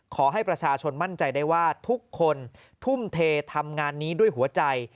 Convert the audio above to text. ขอให้ประชาชนมั่นใจได้ว่าทุกคนทุ่มเททำงานนี้ด้วยหัวใจ